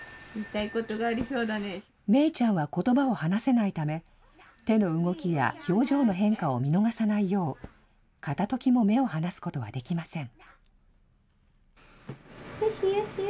芽衣ちゃんはことばを話せないため、手の動きや表情の変化を見逃さないよう、片ときも目を離すことはできません。